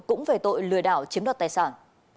cũng về tội lừa đảo chiếm đoạt tài sản